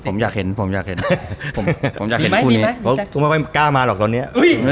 ผมอยากเห็นผมไม่กล้ามาหรอกตอนนี้